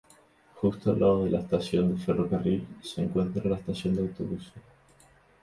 Justo al lado de la estación de ferrocarril se encuentra la estación de autobuses.